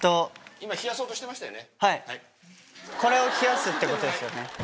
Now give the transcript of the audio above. これを冷やすってことですよね。